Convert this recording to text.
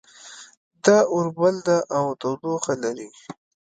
دا اور بل ده او تودوخه لري